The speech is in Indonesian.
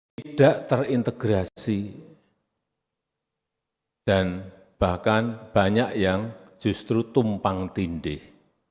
tidak terintegrasi dan bahkan banyak yang justru tumpang tindih